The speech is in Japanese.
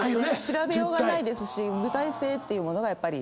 調べようがないですし具体性というものがやっぱり。